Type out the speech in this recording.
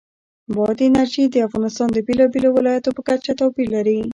بادي انرژي د افغانستان د بېلابېلو ولایاتو په کچه توپیر لري.